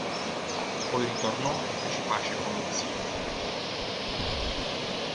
Poi ritornò e fece pace con lo zio.